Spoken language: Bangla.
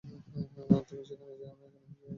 তুমি সেখানে যেয়ো না, ওখানে হিংস্র প্রাণীরা আছে।